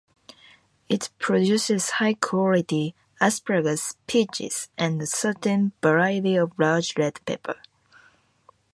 It produces high-quality asparagus, peaches and a certain variety of large red pepper.